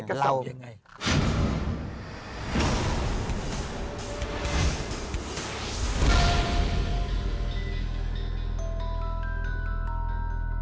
อะไรกระเส่ายังไง